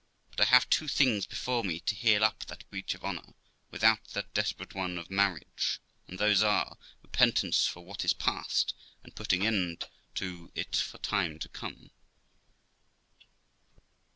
But I have two things before me to heal up that breach of honour, without that desperate one of marriage, and those are, repentance for what is past, and putting an end to it for time to come.'